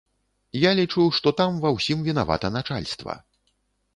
Я лічу, што там ва ўсім вінавата начальства.